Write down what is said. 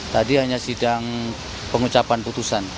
tadi hanya sidang pengucapan putusan